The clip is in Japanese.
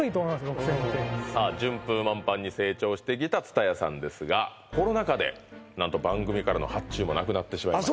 ６０００円ってさあ順風満帆に成長してきた津多屋さんですがコロナ禍で何と番組からの発注もなくなってしまいました